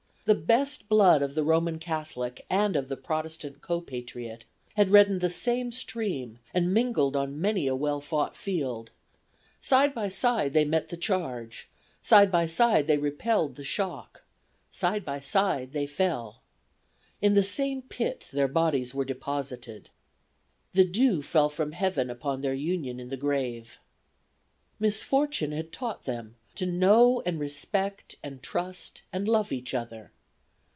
The best blood of the Roman Catholic and of the Protestant co patriot had reddened the same stream and mingled on many a well fought field; side by side they met the charge; side by side they repelled the shock; side by side they fell. In the same pit their bodies were deposited. The dew fell from Heaven upon their union in the grave. "Misfortune had taught them to know and respect and trust and love each other.